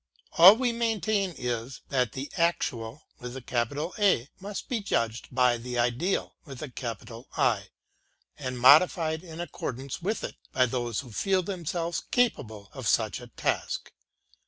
All we maintain is, that the Actual must be judged by the Ideal, and modified in accordance with it by those who feel themselves capable of such a task.